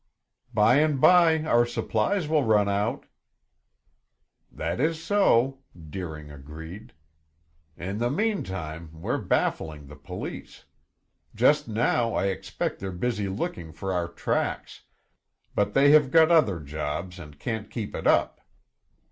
"By and by our supplies will run out." "That is so," Deering agreed. "In the meantime, we're baffling the police. Just now I expect they're busy looking for our tracks, but they have got other jobs and can't keep it up.